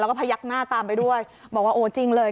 แล้วก็พยักหน้าตามไปด้วยบอกว่าโอ้จริงเลย